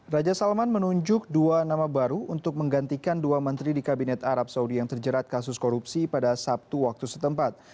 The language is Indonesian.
raja salman menunjuk dua nama baru untuk menggantikan dua menteri di kabinet arab saudi yang terjerat kasus korupsi pada sabtu waktu setempat